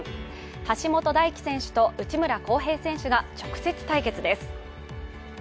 橋本大輝選手と内村航平選手が直接対決です。